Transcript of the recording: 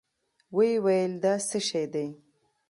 ويې ويل دا څه شې دي؟